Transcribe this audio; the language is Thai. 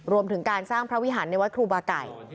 รวมถึงการสร้างพระวิหารในวัดครูบาไก่